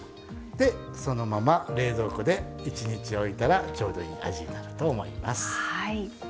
そのまま冷蔵庫で１日置いたら、ちょうどいいお味になると思います。